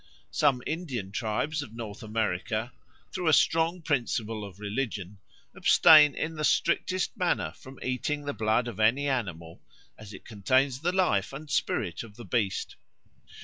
Some Indian tribes of North America, "through a strong principle of religion, abstain in the strictest manner from eating the blood of any animal, as it contains the life and spirit of the beast."